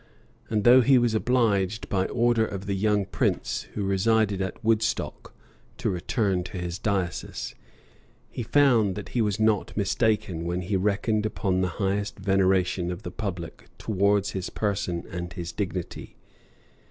And though he was obliged, by order of the young prince, who resided at Woodstock, to return to his diocese, he found that he was not mistaken, when he reckoned upon the highest veneration of the public towards his person and his dignity.